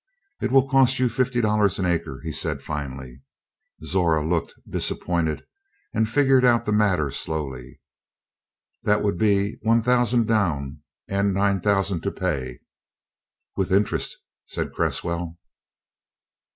"It will cost you fifty dollars an acre," he said finally. Zora looked disappointed and figured out the matter slowly. "That would be one thousand down and nine thousand to pay " "With interest," said Cresswell.